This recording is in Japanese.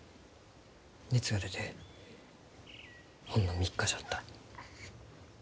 熱が出てほんの３日じゃった。